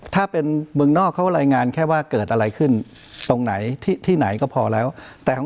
ถ้าเป็นเมืองนอกเขารายงานแค่ว่าเกิดอะไรขึ้น